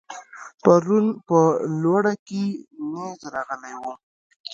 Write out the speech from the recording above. پرون په لوړه کې نېز راغلی و.